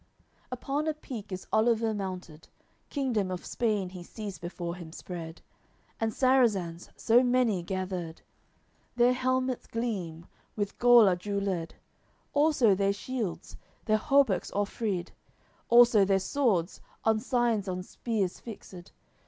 LXXXI Upon a peak is Oliver mounted, Kingdom of Spain he sees before him spread, And Sarrazins, so many gathered. Their helmets gleam, with gold are jewelled, Also their shields, their hauberks orfreyed, Also their swords, ensigns on spears fixed.